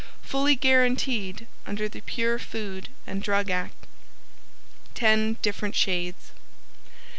Fully guaranteed under the Pure Food and Drug Act. 10 different shades.